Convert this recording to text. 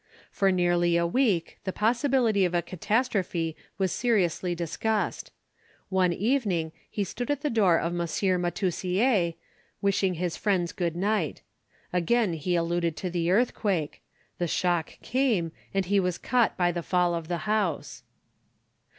For nearly a week the possibility of a catastrophe was seriously discussed. One evening he stood at the door of M. Matussiere, wishing his friends good night. Again he alluded to the earthquake the shock came, and he was caught by the fall of the house.